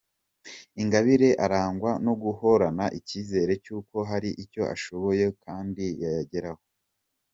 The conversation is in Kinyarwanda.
Ingabire arangwa no guhorana icyizere cy’uko hari icyo ashoboye kandi yageraho.